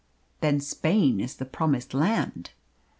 "Then Spain is the Promised Land."